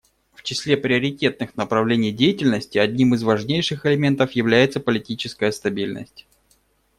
В числе приоритетных направлений деятельности одним из важнейших элементов является политическая стабильность.